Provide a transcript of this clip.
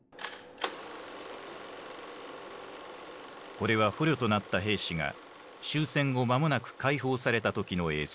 これは捕虜となった兵士が終戦後間もなく解放された時の映像。